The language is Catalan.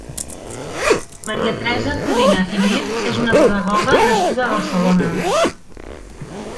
Maria Teresa Codina i Mir és una pedagoga nascuda a Barcelona.